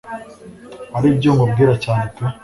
aribyo nkubwira cyane pe